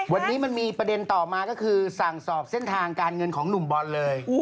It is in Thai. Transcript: วันนี้มันมีประเด็นต่อมาก็คือสั่งสอบเส้นทางการเงินของหนุ่มบอลเลย